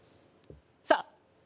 さあ！